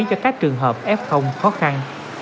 cho các trường hợp f khó khăn